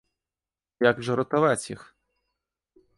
Як жа ратаваць іх?